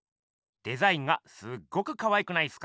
デザインがすっごくかわいくないっすか？